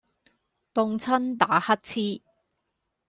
凍親打乞嗤